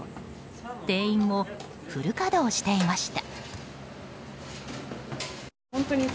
店員もフル稼働していました。